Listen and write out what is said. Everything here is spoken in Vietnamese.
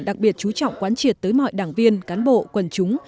đặc biệt chú trọng quan triệt tới mọi đảng viên cán bộ quần chúng